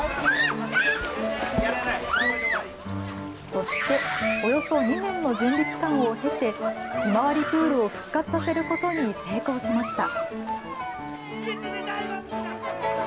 そして、およそ２年の準備期間を経て、ひまわりプールを復活させることに成功しました。